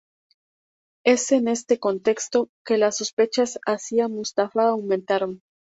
Es en este contexto que las sospechas hacia Mustafa aumentaron.